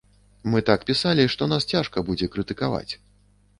Мы так пісалі, што нас цяжка будзе крытыкаваць.